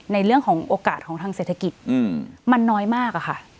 ในเรื่องของโอกาสของทางเศรษฐกิจมันน้อยมากอะค่ะ